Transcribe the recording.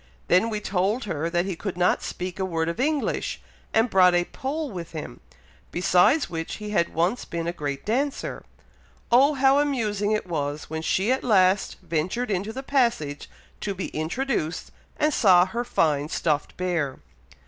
Then we told her that he could not speak a word of English, and brought 'a Pole' with him; besides which he had once been a great dancer. Oh! how amusing it was, when she at last ventured into the passage to be introduced, and saw her fine stuffed bear."